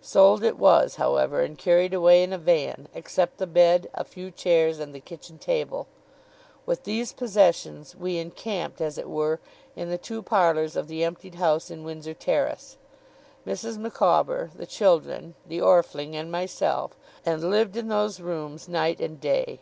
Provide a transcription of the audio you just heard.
Sold it was, however, and carried away in a van; except the bed, a few chairs, and the kitchen table. With these possessions we encamped, as it were, in the two parlours of the emptied house in Windsor Terrace; Mrs. Micawber, the children, the Orfling, and myself; and lived in those rooms night and day.